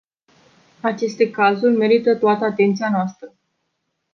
Aceste cazuri merită toată atenția noastră.